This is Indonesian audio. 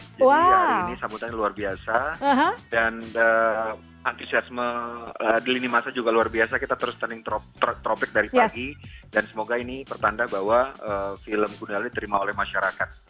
jadi hari ini sambutan luar biasa dan antisiasme di lini masa juga luar biasa kita terus turning tropik dari pagi dan semoga ini pertanda bahwa film gundala diterima oleh masyarakat